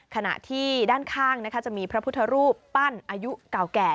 ขณะที่ด้านข้างจะมีพระพุทธรูปปั้นอายุเก่าแก่